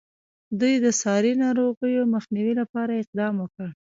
دوی د ساري ناروغیو مخنیوي لپاره اقدام وکړ.